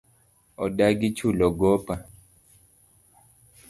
Odagi chulo gopa